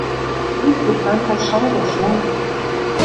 Трӱк пӧртанзыл шынг дӓ шунг.